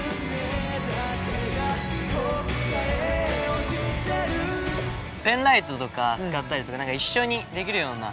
『虹の中で』ペンライトとか使ったりとか一緒にできるような。